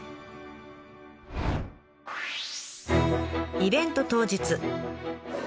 イベント当日。